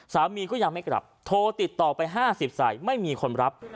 สามีก็ยังไม่กลับโทรติดต่อไป๕๐สายไม่มีคนรับ